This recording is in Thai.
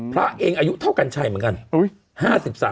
พระเองอายุเท่ากันชัยเหมือนกัน